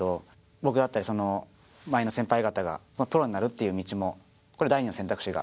僕だったり、前の先輩たちがプロになるっていう道もこれは第２の選択肢が。